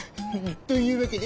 というわけで。